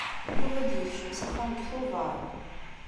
Yuba ad d-yekcem s axxam deg Tubeṛ.